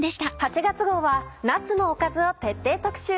８月号はなすのおかずを徹底特集。